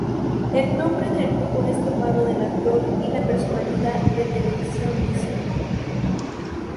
El nombre del grupo es tomado del actor y la personalidad de televisión Mr.